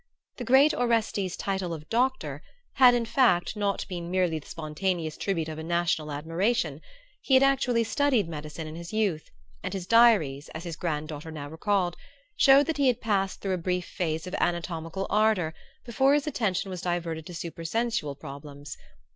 The great Orestes's title of "Doctor" had in fact not been merely the spontaneous tribute of a national admiration; he had actually studied medicine in his youth, and his diaries, as his granddaughter now recalled, showed that he had passed through a brief phase of anatomical ardor before his attention was diverted to super sensual problems.